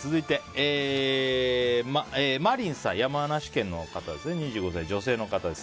続いて、山梨県の２５歳女性の方です。